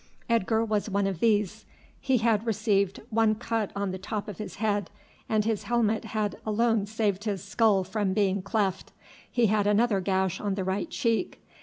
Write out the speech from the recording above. Edgar was one of these. He had received one cut on the top of his head, and his helmet had alone saved his skull from being cleft. He had another gash on the right cheek.